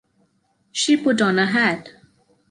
She put on a hat.